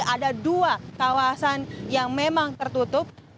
jadi ada dua kawasan yang memang tertutup